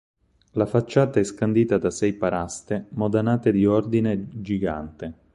La facciata è scandita da sei paraste modanate di ordine gigante.